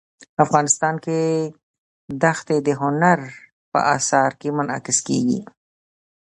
افغانستان کې دښتې د هنر په اثار کې منعکس کېږي.